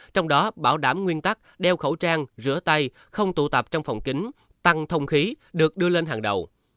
trong đó bảo đảm nguyên tắc đeo khẩu trang rửa tay không tụ tập trong phòng kính tăng thông khí được đưa lên hàng đầu